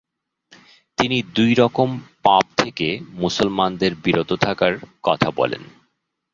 তিনি দুই রকম পাপ থেকে মুসলমানদের বিরত থাকার কথা বলেন।